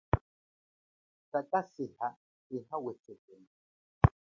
Sakaseha seha wesekele.